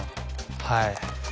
はい。